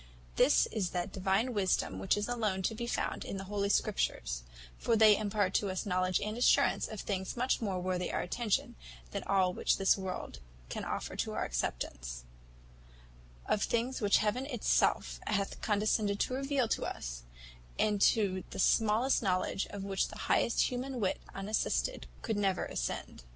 This is that Divine wisdom which is alone to be found in the Holy Scriptures; for they impart to us the knowledge and assurance of things much more worthy our attention than all which this world can offer to our acceptance; of things which Heaven itself hath condescended to reveal to us, and to the smallest knowledge of which the highest human wit unassisted could never ascend.